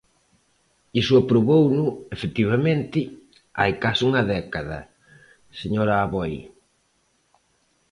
Iso aprobouno, efectivamente, hai case unha década, señora Aboi.